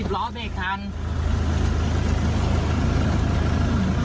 อืม